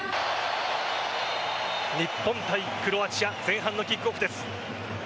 日本対クロアチア前半のキックオフです。